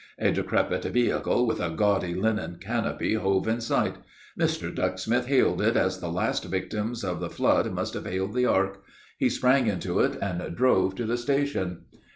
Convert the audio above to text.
A decrepit vehicle with a gaudy linen canopy hove in sight. Mr. Ducksmith hailed it as the last victims of the Flood must have hailed the Ark. He sprang into it and drove to the station.